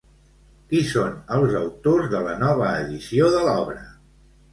Qui són els autors de la nova edició de l'obra?